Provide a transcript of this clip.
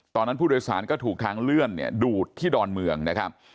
ตอนนั้นผู้โดยสารก็ถูกทางเลื่อนเนี่ยดูดที่ดอนเมืองนะครับ